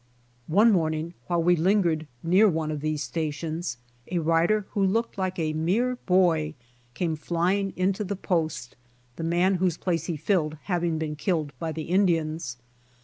One morning while we lingered near one of these stations, a rider who looked like a mere boy came flying into the post, the man w^hose place he filled having been killed by the Indians.